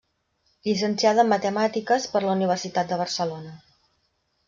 Llicenciada en Matemàtiques per la Universitat de Barcelona.